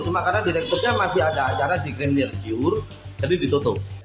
cuma karena direkturnya masih ada acara di greenergiur jadi ditutup